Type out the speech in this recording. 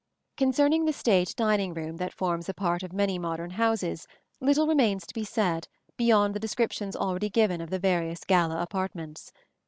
Concerning the state dining room that forms a part of many modern houses little remains to be said beyond the descriptions already given of the various gala apartments.